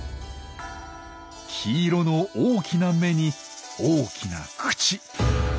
黄色の大きな目に大きな口。